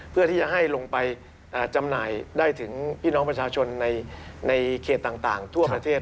เพื่อที่จะให้ลงไปจำหน่ายได้ถึงพี่น้องประชาชนในเขตต่างทั่วประเทศ